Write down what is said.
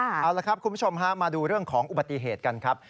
เอาละครับคุณผู้ชมฮะมาดูเรื่องของอุบัติเหตุกันครับ